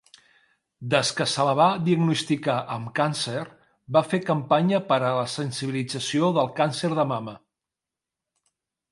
Des que se la va diagnosticar amb càncer, va fer campanya per a la sensibilització del càncer de mama.